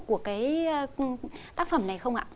của cái tác phẩm này không ạ